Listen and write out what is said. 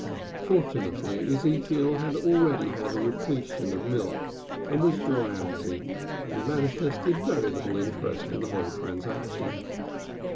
Fortunately Ezekiel had already had a repletion of milk, and was drowsy and manifested very little interest in the whole transaction.